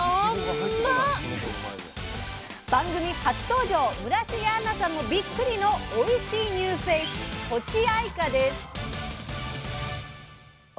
番組初登場村重杏奈さんもびっくりのおいしいニューフェース「とちあいか」です。